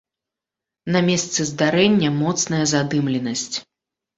На месцы здарэння моцная задымленасць.